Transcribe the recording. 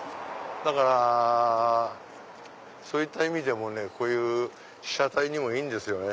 だからそういった意味でもこういう被写体にもいいんですよね。